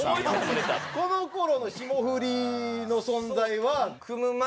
この頃の霜降りの存在は？